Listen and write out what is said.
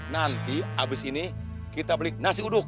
nanti abis ini kita beli nasi uduk